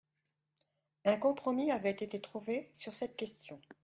Un compromis avait été trouvé sur cette question.